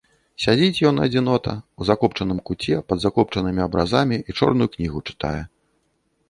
Сядзіць ён, адзінота, у закопчаным куце пад закопчанымі абразамі і чорную кнігу чытае.